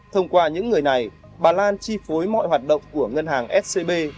thông qua những người này bà lan chi phối mọi hoạt động của ngân hàng scb